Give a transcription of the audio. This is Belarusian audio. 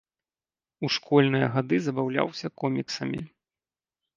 У школьныя гады забаўляўся коміксамі.